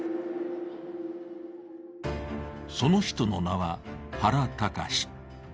その人の名は、原敬。